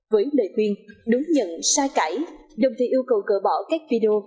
với lời khuyên đúng nhận sai cãi đồng thời yêu cầu cờ bỏ các video